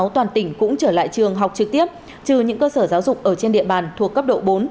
trường học trực tiếp trừ những cơ sở giáo dục ở trên địa bàn thuộc cấp độ bốn